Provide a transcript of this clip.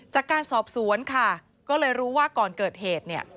จากการสอบสวนค่ะก็เลยรู้ว่าก่อนเกิดเหตุเนี่ย